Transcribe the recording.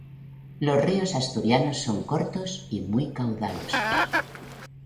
Los ríos asturianos son cortos y muy caudalosos.